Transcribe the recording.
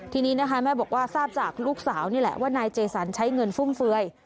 ทีนี้นะคะแม่บอกว่าทราบจากลูกสาวนี่แหละว่านายเจสันใช้เงินฟุ่มเฟือย